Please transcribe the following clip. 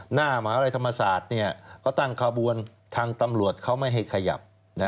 หมาลัยธรรมศาสตร์เขาตั้งขบวนทางตำรวจเขาไม่ให้ขยับ